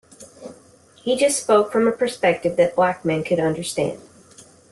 He just spoke from a perspective that black men could understand.